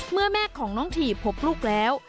แม่ของน้องทีพบลูกแล้ว